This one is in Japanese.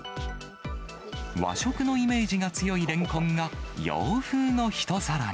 和食のイメージが強いレンコンが、洋風の一皿に。